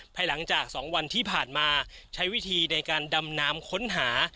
ภายหลังจาก๒วันที่ผ่านมาใช้วิธีในการดำน้ำค้นหา